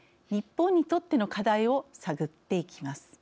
日本にとっての課題を探っていきます。